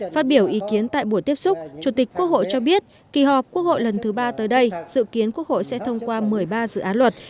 phát biểu ý kiến tại buổi tiếp xúc chủ tịch quốc hội cho biết kỳ họp quốc hội lần thứ ba tới đây dự kiến quốc hội sẽ thông qua một mươi ba dự án luật